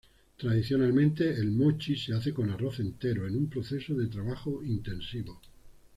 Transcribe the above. Tradicionalmente, el "mochi" se hace con arroz entero, en un proceso de trabajo intensivo.